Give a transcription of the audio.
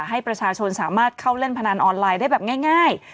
ให้ประชาชนสามารถเข้าเล่นพนันออนไลน์ได้แบบง่าย